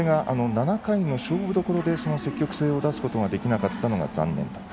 それが７回の勝負どころでその積極性を出すことができなかったのが残念と。